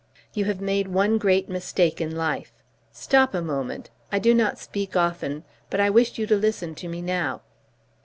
You have made one great mistake in life. Stop a moment. I do not speak often, but I wish you to listen to me now.